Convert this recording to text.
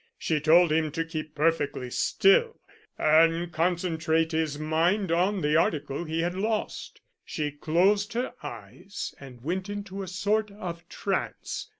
She told him to keep perfectly still, and concentrate his mind on the article he had lost. She closed her eyes and went into a sort of trance.